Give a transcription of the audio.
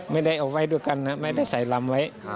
ไม่ได้เอาไว้ด้วยกันนะไม่ได้ใส่ลำไว้